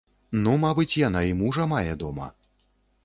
Ну, мабыць, яна і мужа мае дома.